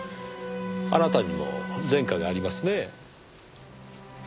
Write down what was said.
あなたにも前科がありますねぇ？